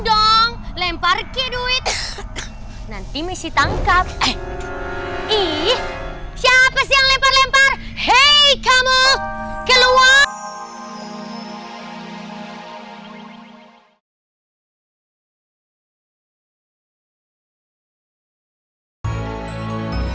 dong lempar ke duit nanti misi tangkap eh ih siapa sih yang lempar lempar hey kamu keluar